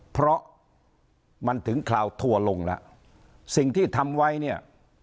เพราะมันถึงคราวทัวร์ลงแล้วสิ่งที่ทำไว้เนี่ย